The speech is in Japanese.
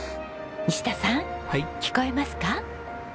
西田さん聞こえますか？